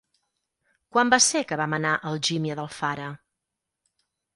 Quan va ser que vam anar a Algímia d'Alfara?